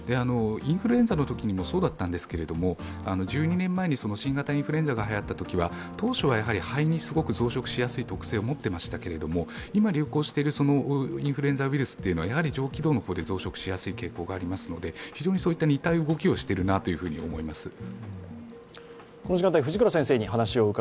インフルエンザのときもそうだったんですが、１２年前に新型インフルがはやったときは当初は肺にすごく増殖しやすい特性を持っていましたけれども、今流行しているインフルエンザウイルスというのは、上気道で増加しやすい傾向がありますので非常に似た動きをしているなと思います。